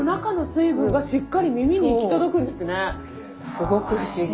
すごく不思議。